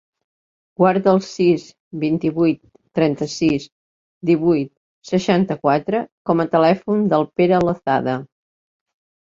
Guarda el sis, vint-i-vuit, trenta-sis, divuit, seixanta-quatre com a telèfon del Pere Lozada.